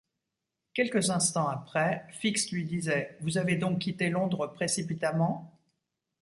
Quelques instants après, Fix lui disait: « Vous avez donc quitté Londres précipitamment?